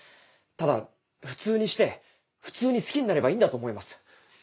ただ普通にして普通に好きになればいいんだと思います。